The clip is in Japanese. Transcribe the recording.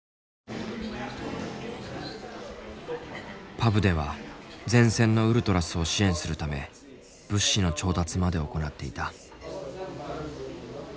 パブでは前線のウルトラスを支援するため物資の調達まで行っていた。